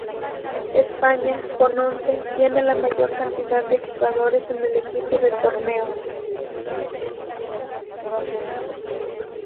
España, con once, tiene la mayor cantidad de jugadores en el equipo del torneo.